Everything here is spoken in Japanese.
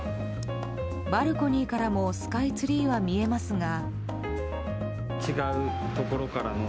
バルコニーからもスカイツリーは見えますが。